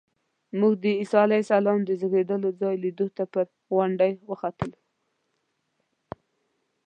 موږ د عیسی علیه السلام د زېږېدلو ځای لیدو ته پر غونډۍ وختلو.